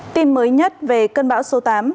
tin mới nhất về cơn bão số tám